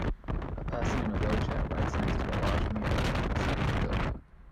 A person in a wheelchair rides next to a large mural on the side of a building.